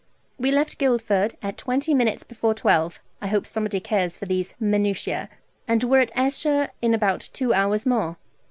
We left Guildford at twenty minutes before twelve (I hope somebody cares for these minutiae), and were at Esher in about two hours more.